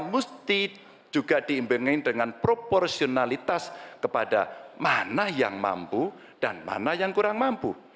mesti juga diimbingkan dengan proporsionalitas kepada mana yang mampu dan mana yang kurang mampu